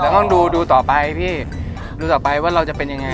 ต้องดูดูต่อไปพี่ดูต่อไปว่าเราจะเป็นยังไง